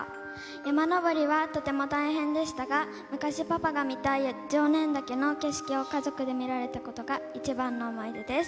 山登りはとても大変でしたが、昔、パパが見た常念岳の景色を家族で見られたことが一番の思い出です。